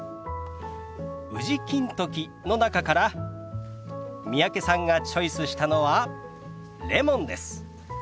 宇治金時の中から三宅さんがチョイスしたのはレモンです。